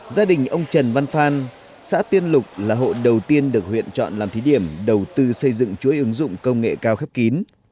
gia đình ông trần văn phan xã tiên lục là hộ đầu tiên được huyện chọn làm thí điểm đầu tư xây dựng chuỗi ứng dụng công nghệ cao khép kín